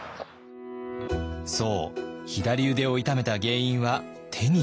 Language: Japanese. そう左腕を痛めた原因はテニス。